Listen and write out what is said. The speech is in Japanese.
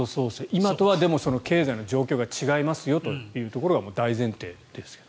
今とは経済の状況が違いますよというところが大前提ですが。